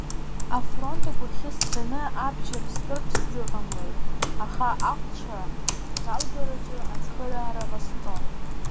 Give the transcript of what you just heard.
Афронт агәахьы сцаны абџьар скыртә сзыҟамлеит, аха ахәцәа ралгараҿы ацхыраара ҟасҵон.